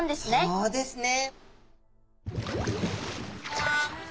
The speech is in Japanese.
そうですね。